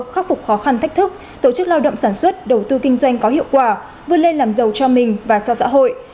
khắc phục khó khăn thách thức tổ chức lao động sản xuất đầu tư kinh doanh có hiệu quả vươn lên làm giàu cho mình và cho xã hội